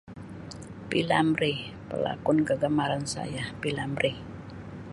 P Lamree pelakon kegemaran saya P Lamree.